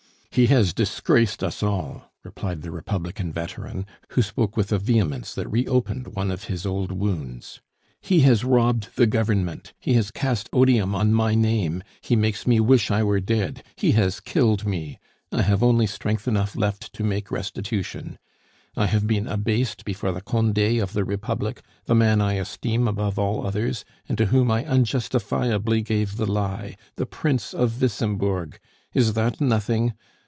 "He has disgraced us all!" replied the Republican veteran, who spoke with a vehemence that reopened one of his old wounds. "He has robbed the Government! He has cast odium on my name, he makes me wish I were dead he has killed me! I have only strength enough left to make restitution! "I have been abased before the Conde of the Republic, the man I esteem above all others, and to whom I unjustifiably gave the lie the Prince of Wissembourg! Is that nothing?